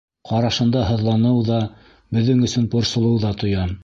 Ҡарашында һыҙланыу ҙа, беҙҙең өсөн борсолоу ҙа тоям.